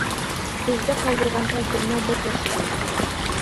بىزدە قالدۇرغان تەسىرىمۇ بەك ياخشى بولدى.